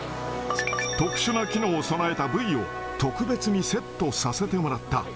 特殊な機能を備えたブイを、特別にセットさせてもらった。